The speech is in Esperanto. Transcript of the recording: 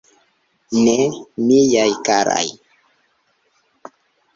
Ne, miaj karaj.